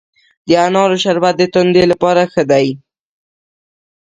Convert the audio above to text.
د انارو شربت د تندې لپاره ښه دی.